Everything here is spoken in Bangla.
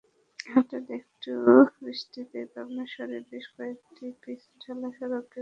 হঠাৎ একটু বৃষ্টিতেই পাবনা শহরের বেশ কয়েকটি পিচ ঢালা সড়কে কাদা হয়ে গেছে।